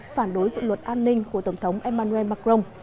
phản đối dự luật an ninh của tổng thống emmanuel macron